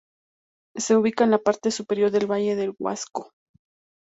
Se ubica en la parte superior del Valle del Huasco.